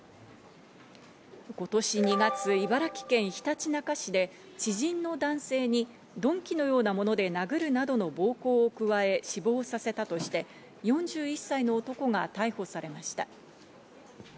今年２月、茨城県ひたちなか市で知人の男性に鈍器のようなもので殴るなどの暴行を加え死亡させたとして４１歳の男が逮捕されました。